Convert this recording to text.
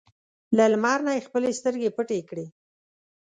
له لمر نه یې خپلې سترګې پټې کړې.